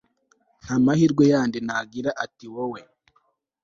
nta mahirwe yandi nagira atari wowe